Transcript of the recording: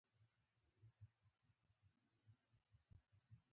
اوبه د انسان ژوند ته لازمي دي